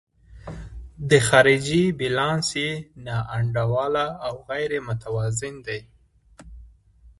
د خارجي تجارت بیلانس یې نا انډوله او غیر متوازن دی.